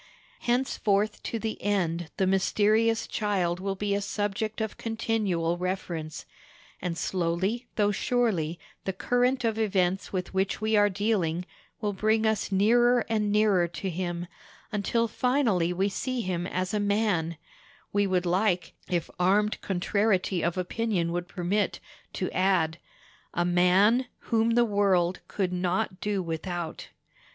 Henceforth to the end the mysterious Child will be a subject of continual reference; and slowly though surely the current of events with which we are dealing will bring us nearer and nearer to him, until finally we see him a man—we would like, if armed contrariety of opinion would permit it, to add—A MAN WHOM THE WORLD COULD NOT DO WITHOUT.